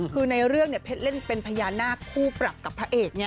คือในเรื่องเนี่ยเพชรเล่นเป็นพญานาคคู่ปรับกับพระเอก